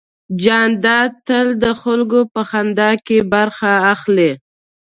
جانداد تل د خلکو په خندا کې برخه لري.